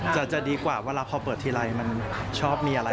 จะดีกว่าเวลาพอเปิดทีไรมันชอบมีอะไร